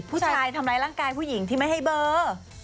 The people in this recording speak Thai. ทำร้ายร่างกายผู้หญิงที่ไม่ให้เบอร์